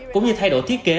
cũng như thay đổi thiết kế